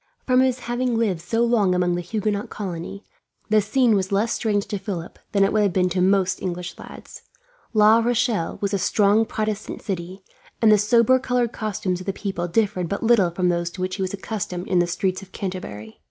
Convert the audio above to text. From his having lived so long among the Huguenot colony, the scene was less strange to Philip than it would have been to most English lads. La Rochelle was a strongly Protestant city, and the sober coloured costumes of the people differed but little from those to which he was accustomed in the streets of Canterbury.